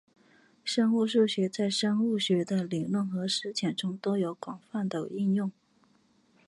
生物数学在生物学的理论和实践中都有广泛的应用。